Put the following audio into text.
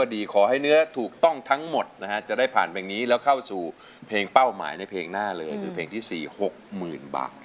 สอนเทศเลยนะคะ